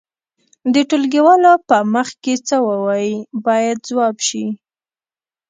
د ټولګيوالو په مخ کې څه ووایئ باید ځواب شي.